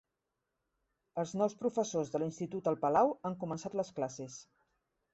Els nou professors de l'institut el Palau han començat les classes